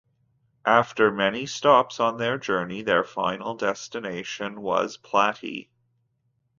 After many stops on their journey, their final destination was Platy.